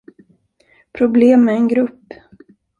Problem med en grupp!